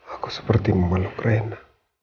aku seperti memeluk reina